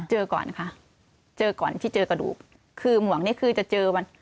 เจอก่อนค่ะเจอก่อนที่เจอกระดูกคือหมวกนี่คือจะเจอวัน